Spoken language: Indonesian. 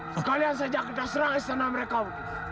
sekalian saja kita serang istana mereka bu